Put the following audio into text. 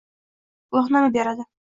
guvohnoma beradi;